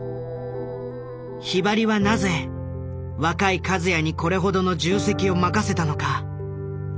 ひばりはなぜ若い和也にこれほどの重責を任せたのか？